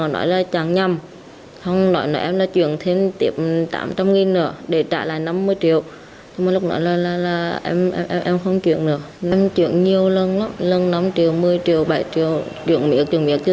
một mươi triệu bảy triệu một mươi triệu một mươi triệu một mươi triệu một mươi triệu một mươi triệu một mươi triệu một mươi triệu một mươi triệu một mươi triệu một mươi triệu một mươi triệu một mươi triệu một mươi triệu một mươi triệu một mươi triệu một mươi triệu một mươi triệu một mươi triệu một mươi triệu một mươi triệu